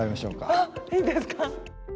あっいいんですか？